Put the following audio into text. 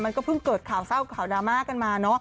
มันก็เพิ่งเกิดข่าวเศร้าข่าวดราม่ากันมาเนอะ